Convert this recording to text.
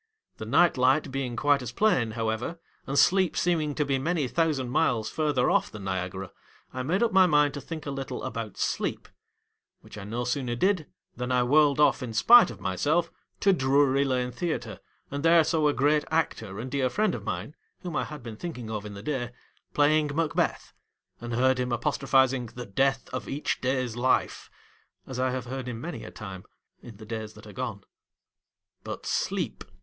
The night light being quite as plain, however, and sleep seeming to be many th ousand miles f u rther off than Niagara, I made up my mind to think a little about Sleep ; which I no sooner did than I whirled off in spite of myself to Drury Lane Theatre, and there saw a great actor and dear friend of mine (whom I had been thinking of in the day) playing Macbeth, and heard him apostrophising " the death of each day's life," as I have heard him many a time, in the days that are gone. But, Sleep.